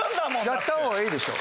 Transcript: やった方がいいでしょ。